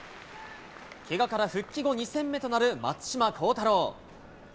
けがから復帰後２戦目となる松島幸太朗。